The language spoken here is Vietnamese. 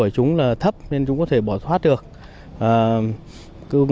chúng là thấp nên chúng có thể bỏ thoát được